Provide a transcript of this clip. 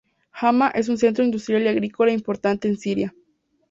Hama es un centro industrial y agrícola importante en Siria.